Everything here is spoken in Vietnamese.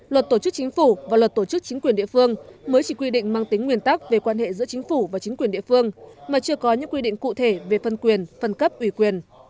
luật tổ chức chính phủ và luật tổ chức chính quyền địa phương mới chỉ quy định mang tính nguyên tắc về quan hệ giữa chính phủ và chính quyền địa phương mà chưa có những quy định cụ thể về phân quyền phân cấp ủy quyền